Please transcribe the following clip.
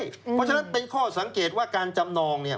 เพราะฉะนั้นเป็นข้อสังเกตว่าการจำนองเนี่ย